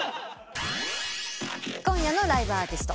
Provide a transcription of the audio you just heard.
今夜のライブアーティスト。